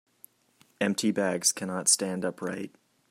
Empty bags cannot stand upright.